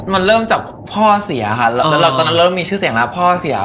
มันเริ่มจากพ่อเสียค่ะแล้วตอนนั้นเริ่มมีชื่อเสียงแล้วพ่อเสีย